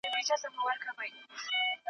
چي ماڼۍ د فرعونانو وه ولاړه .